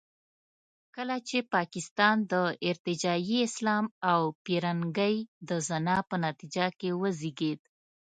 کله چې پاکستان د ارتجاعي اسلام او پیرنګۍ د زنا په نتیجه کې وزېږېد.